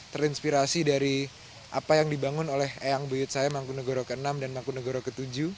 terinspirasi dari apa yang dibangun oleh eyang buyut saya mangkunegara ke enam dan mangkunegara ke tujuh